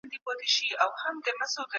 په کندهار کي فابریکې څنګه کار کوي؟